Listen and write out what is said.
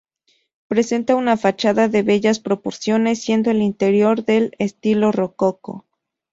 Presenta una fachada de bellas proporciones siendo el interior de estilo rococó.